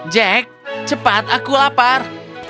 jack cepat aku lapar